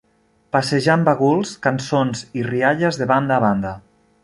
Passejant baguls, cançons i rialles de banda a banda